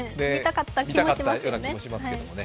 見たかった気もしますよね。